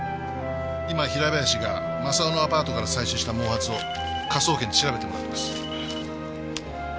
今平林が正雄のアパートから採取した毛髪を科捜研で調べてもらってます。